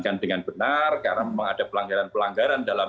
karena memang ada pelanggaran pelanggaran dalam